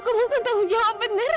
kamu ketahuan jawab bener